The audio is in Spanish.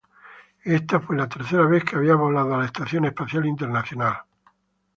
Esta fue la tercera vez que había volado a la Estación Espacial Internacional.